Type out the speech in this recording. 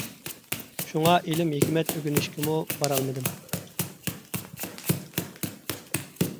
شۇڭا، ئىلىم - ھېكمەت ئۆگىنىشكىمۇ بارالمىدىم.